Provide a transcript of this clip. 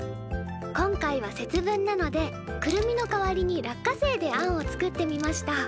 今回は節分なのでくるみの代わりに落花生であんを作ってみました。